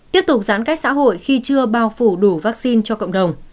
tiếp tục giãn cách xã hội khi chưa bao phủ đủ vaccine cho cộng đồng